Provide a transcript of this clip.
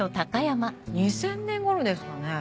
２０００年頃ですかね？